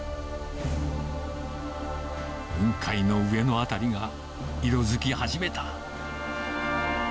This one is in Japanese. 雲海の上の辺りが色づき始めた。